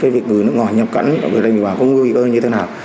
việc người nước ngoài nhập cảnh trên địa bàn có nguy cơ như thế nào